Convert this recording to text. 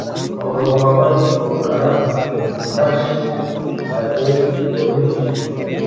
Umugabo wambaye umukara ufashe saber yoroheje